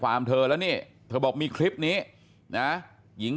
แล้วก็เอาไปฟ้องบัตรนี้คดีที่ฟ้อง